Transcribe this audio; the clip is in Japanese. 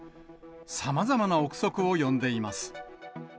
さまざまな臆測を呼んでいます。